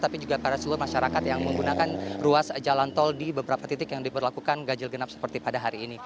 tapi juga pada seluruh masyarakat yang menggunakan ruas jalan tol di beberapa titik yang diberlakukan ganjil genap seperti pada hari ini